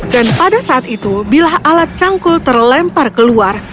dan pada saat itu bila alat cangkul terlempar keluar